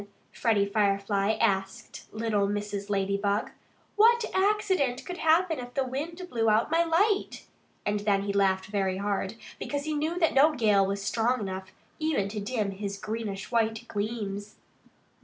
Freddie Firefly asked little Mrs. Ladybug. "What accident could happen if the wind blew out my light?" And he laughed very hard, because he knew that no gale was strong enough even to dim his greenish white gleams.